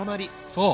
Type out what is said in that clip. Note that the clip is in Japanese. そう！